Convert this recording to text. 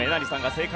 正解！